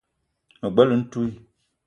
Me bela ntouii